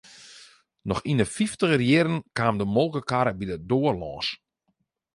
Noch yn 'e fyftiger jierren kaam de molkekarre by de doar lâns.